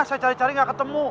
saya cari cari nggak ketemu